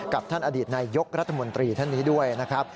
ท่านอดีตนายยกรัฐมนตรีท่านนี้ด้วยนะครับ